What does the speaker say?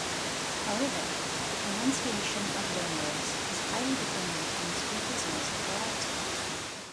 However, the pronunciation of loanwords is highly dependent on the speaker's native variety.